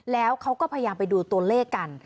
แล้วเขาก็พยายามไปดูตัวเลขกัน